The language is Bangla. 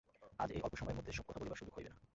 আজ এই অল্প সময়ের মধ্যে সব কথা বলিবার সুযোগ হইবে না।